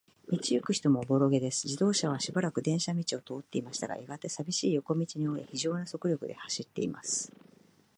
道ゆく人もおぼろげです。自動車はしばらく電車道を通っていましたが、やがて、さびしい横町に折れ、ひじょうな速力で走っています。